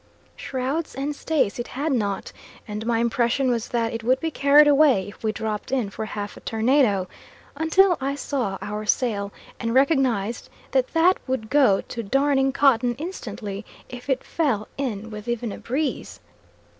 Shrouds and stays it had not, and my impression was that it would be carried away if we dropped in for half a tornado, until I saw our sail and recognised that that would go to darning cotton instantly if it fell in with even a breeze.